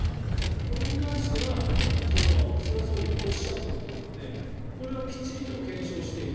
これに関しては菅総理がおっしゃったことなのでこれはきっちりと検証していく。